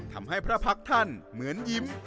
ทำให้พระพักษ์ท่านเหมือนยิ้ม